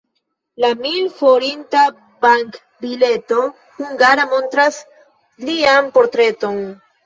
La mil-forinta bank-bileto hungara montras lian portreton.